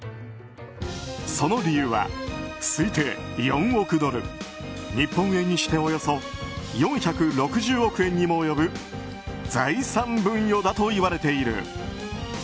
その理由は、推定４億ドル日本円にしておよそ４６０億円にも及ぶ財産分与だといわれている。